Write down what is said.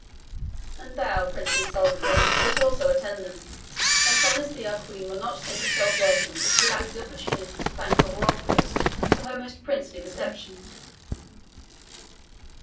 "And thou, princely Saladin, wilt also attend them. I promise thee our Queen will not think herself welcome, if she lacks the opportunity to thank her royal host for her most princely reception."